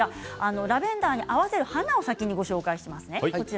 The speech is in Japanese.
ラベンダーに合わせる花を先にご紹介します。